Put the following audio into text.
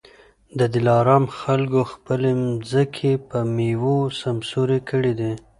د دلارام خلکو خپلي مځکې په میوو سمسوري کړي دي